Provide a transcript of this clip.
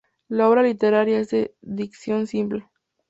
La obra literaria es de dicción simple.